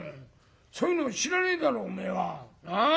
そういうの知らねえだろおめえは。なあ？